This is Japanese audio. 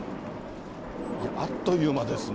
あっという間ですね。